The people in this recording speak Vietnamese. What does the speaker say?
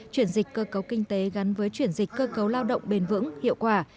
chuyển dịch cơ cấu kinh tế gắn với chuyển dịch cơ cấu lao động bền vững hiệu quả